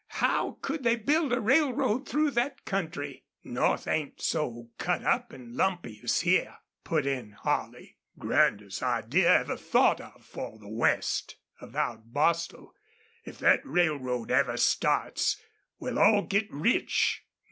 How could they build a railroad through thet country?" "North it ain't so cut up an' lumpy as here," put in Holley. "Grandest idea ever thought of for the West," avowed Bostil. "If thet railroad ever starts we'll all get rich....